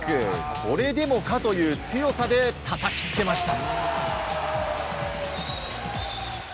これでもか！という強さでたたきつけました。